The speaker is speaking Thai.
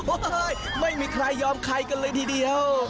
โอ้โหไม่มีใครยอมใครกันเลยทีเดียว